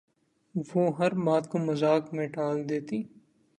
وہ ہر بات کو مذاق میں ٹال دیتی